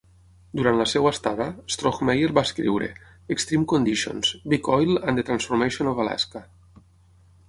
Durant la seva estada, Strohmeyer va escriure "Extreme Conditions: Big Oil and the Transformation of Alaska".